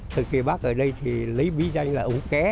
thời kỳ bắc ở đây thì lấy bí danh là ống ké